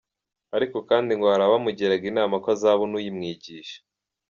Ariko kandi ngo hari abamugiraga inama ko azabona uyimwigisha.